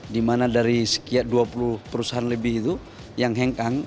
dimana dari sekian dua puluh perusahaan lebih itu yang hengkang